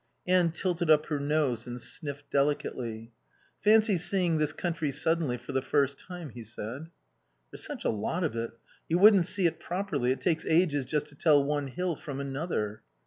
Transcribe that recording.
Anne tilted up her nose and sniffed delicately. "Fancy seeing this country suddenly for the first time," he said. "There's such a lot of it. You wouldn't see it properly. It takes ages just to tell one hill from another."